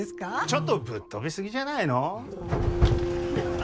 ちょっとぶっ飛びすぎじゃないの？